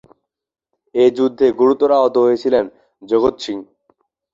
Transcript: এই যুদ্ধে গুরুতর আহত হয়েছিলেন জগৎ সিং।